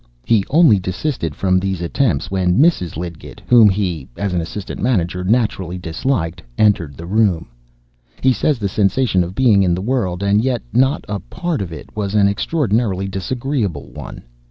He only desisted from these attempts when Mrs. Lidgett, whom he (as an Assistant Master) naturally disliked, entered the room. He says the sensation of being in the world, and yet not a part of it, was an extraordinarily disagreeable one.